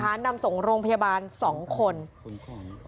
กู้ไพรีบลงพื้นที่ช่วยเหลือนำส่งโรงพยาบาล๒คน